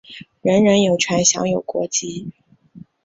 人人有权享有国籍。